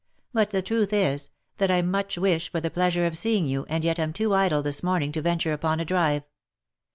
But the truth is, that I much wish for the pleasure of seeing you, and yet am too idle this morning to venture upon a drive.